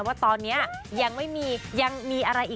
ว่าตอนนี้ยังไม่มี